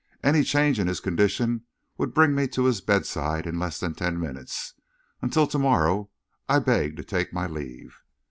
Any change in his condition would bring me to his bedside in less than ten minutes. Until to morrow, I beg to take my leave."